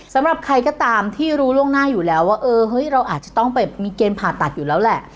สำหรับใครก็ตามที่รู้ล่วงหน้าอยู่แล้วว่าเออเฮ้ยเราอาจจะต้องไปมีเกณฑ์ผ่าตัดอยู่แล้วแหละ